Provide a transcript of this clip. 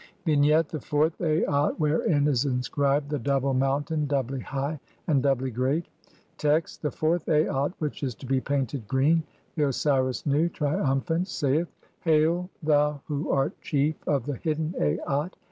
IV. Vignette : The fourth Aat I ', wherein is inscribed "the double mountain, doubly high, and doubly great". Text : (1) The fourth Aat [which is to be painted] green. The Osiris Nu, triumphant, saith :— (2) "Hail, thou who art chief of the hidden Aat.